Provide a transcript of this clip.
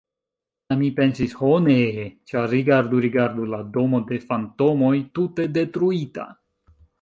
Kaj mi pensis: "Ho, neeeeeee!", ĉar rigardu, rigardu: la Domo de Fantomoj: tute detruita!